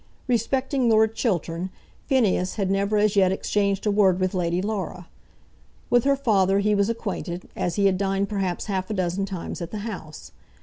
Respecting Lord Chiltern Phineas had never as yet exchanged a word with Lady Laura. With her father he was acquainted, as he had dined perhaps half a dozen times at the house.